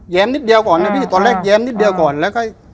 นิดเดียวก่อนนะพี่ตอนแรกแย้มนิดเดียวก่อนแล้วก็